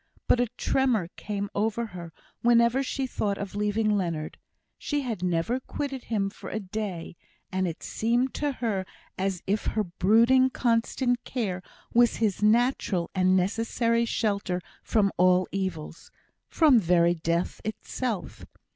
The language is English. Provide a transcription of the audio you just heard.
But a tremor came over her whenever she thought of leaving Leonard; she had never quitted him for a day, and it seemed to her as if her brooding, constant care was his natural and necessary shelter from all evils from very death itself.